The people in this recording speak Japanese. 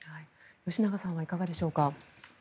吉永さんはいかがでしょうか。